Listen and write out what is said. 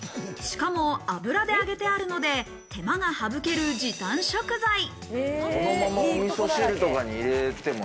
しかも油で揚げてあるので、手間が省ける時短食材。